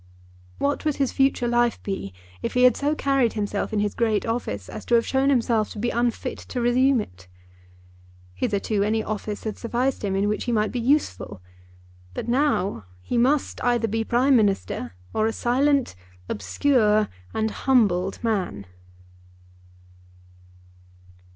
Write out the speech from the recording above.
What would his future life be if he had so carried himself in his great office as to have shown himself to be unfit to resume it? Hitherto any office had sufficed him in which he might be useful; but now he must either be Prime Minister, or a silent, obscure, and humbled man!